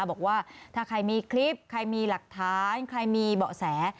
บอกว่าถ้าใครมีคลิปใครมีหลักฐานใครมีเบาะแส